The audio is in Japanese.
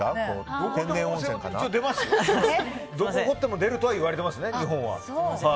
どこ掘っても出るとは言われてます、日本は。